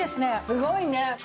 すごいね！